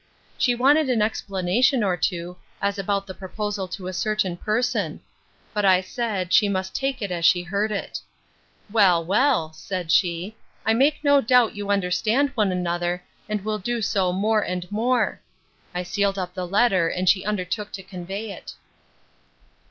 She wanted an explanation or two, as about the proposal to a certain person; but I said, she must take it as she heard it. Well, well, said she, I make no doubt you understand one another, and will do so more and more. I sealed up the letter, and she undertook to convey it.